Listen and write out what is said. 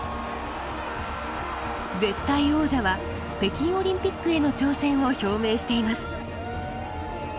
絶対王者は北京オリンピックへの挑戦を表明しています。